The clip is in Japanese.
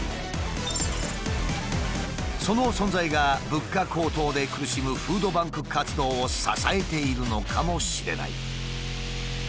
その存在が物価高騰で苦しむフードバンク活動を支えているのかもしれない。